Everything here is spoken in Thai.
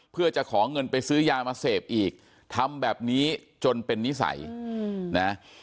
เพื่อจะขอเงินไปซื้อยามาเสพอีกทำแบบนี้จนเป็นนิสัยนะ